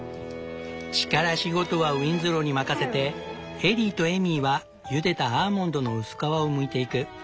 力仕事はウィンズローに任せてエリーとエイミーはゆでたアーモンドの薄皮をむいていく。